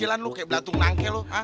bakeran lu kayak belantung nangkeh lu